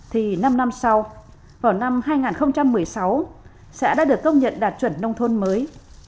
thì năm năm sau vào năm hai nghìn một mươi sáu xã đã được công nhận đạt chuẩn nông thôn mới